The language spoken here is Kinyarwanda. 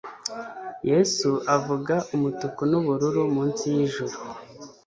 Yesu avuga umutuku n'ubururu munsi y'ijuru